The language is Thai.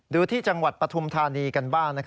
ดูที่จังหวัดปฐุมธานีกันบ้าง